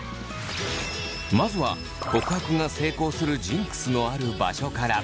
まずは告白が成功するジンクスのある場所から。